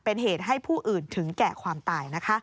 เป็นเหตุให้ผู้อื่นถึงแก่ความตายนะคะ